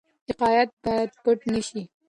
حقایق باید پټ نه سي.